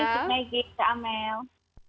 terima kasih cik maggie cik amel